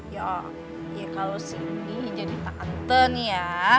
ya kalo sini jadi tante nih ya